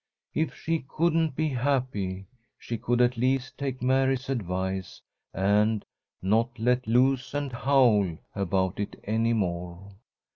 If she couldn't be happy, she could at least take Mary's advice and "not let loose and howl" about it any more.